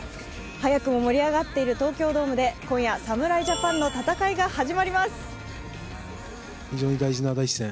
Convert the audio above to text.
早くも盛り上がっている東京ドームで今夜、侍ジャパンの戦いが始まります。